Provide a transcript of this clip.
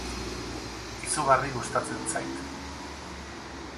Izugarri gustatzen zait.